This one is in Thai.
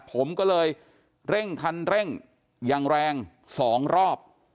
ผมก็เลยเร่งคันเร่งอย่างแรง๒รอบ